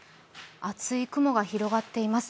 厚い雲が広がっています。